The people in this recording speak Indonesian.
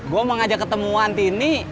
gue mau ngajak ketemuan tini